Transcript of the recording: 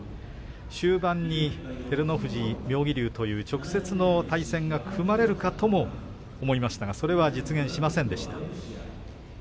終盤に照ノ富士、妙義龍という直接の対戦が組まれるかとも思いましたがそれは実現しませんでした。